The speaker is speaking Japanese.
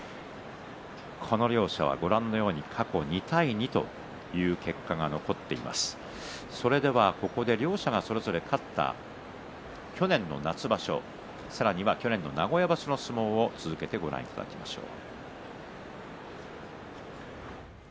この両者はご覧のように過去２対２という結果が残っています。両者がそれぞれ勝った去年の夏場所、さらには去年の名古屋場所の相撲を続けてご覧いただきましょう。